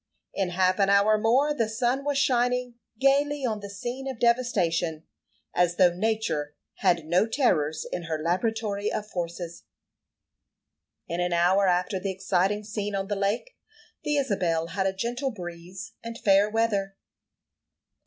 In half an hour more the sun was shining gayly on the scene of devastation, as though Nature had no terrors in her laboratory of forces. In an hour after the exciting scene on the lake, the Isabel had a gentle breeze and fair weather.